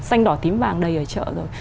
xanh đỏ tím vàng đầy ở chợ rồi